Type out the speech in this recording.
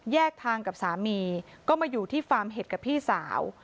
ทางกับสามีก็มาอยู่ที่ฟาร์มเห็ดกับพี่สาว